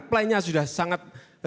plan nya sudah sangat